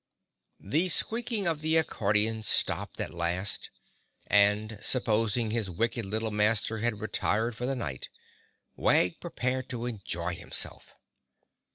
The squeaking of the accordion stopped at last and, supposing his wicked little master had retired for the night, Wag prepared to enjoy himself.